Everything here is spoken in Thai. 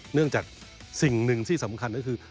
เนื่องจากสิ่งหนึ่งที่สำคัญก็คือ